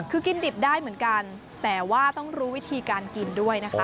คือกินดิบได้เหมือนกันแต่ว่าต้องรู้วิธีการกินด้วยนะคะ